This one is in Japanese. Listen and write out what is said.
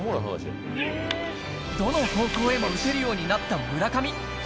どの方向へも打てるようになった村上。